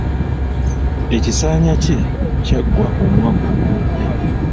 Ekisanya kye kyaggwa omwaka oguwedde.